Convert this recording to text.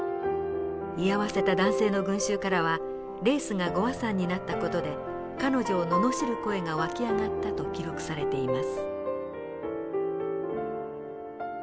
居合わせた男性の群衆からはレースが御破算になった事で彼女を罵る声が沸き上がったと記録されています。